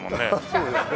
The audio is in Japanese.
そうですね。